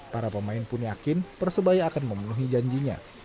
para pemain pun yakin persebaya akan memenuhi janjinya